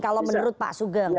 kalau menurut pak sugeng